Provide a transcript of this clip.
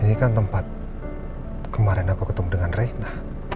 ini kan tempat kemarin aku ketemu dengan reina